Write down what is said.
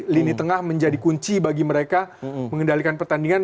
lini tengah menjadi kunci bagi mereka mengendalikan pertandingan